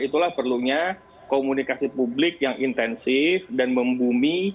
itulah perlunya komunikasi publik yang intensif dan membumi